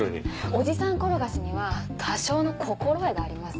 おじさん転がしには多少の心得があります。